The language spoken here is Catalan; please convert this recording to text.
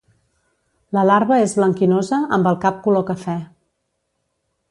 La larva és blanquinosa amb el cap color cafè.